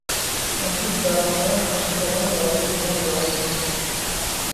امروزه جوانان احترامی برای پیران قائل نیستند.